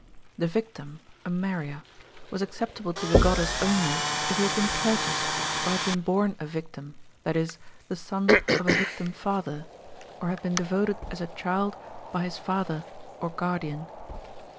The victim, a Meriah, was acceptable to the goddess only if he had been purchased, or had been born a victim, that is, the son of a victim father, or had been devoted as a child by his father or guardian."